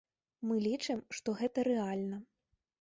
Мы лічым, што гэта рэальна.